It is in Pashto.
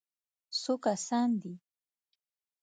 _څو کسان دي؟